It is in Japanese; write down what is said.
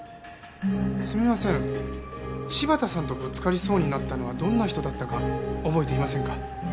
すみません柴田さんとぶつかりそうになったのはどんな人だったか覚えていませんか？